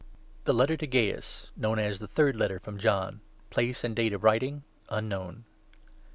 THE LETTER TO GAIUS. (KNOWN AS 'THE THIRD LETTER FROM JOHN'). [PLACE AND DATE OF WRITING UNKNOWN.